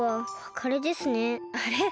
あれ？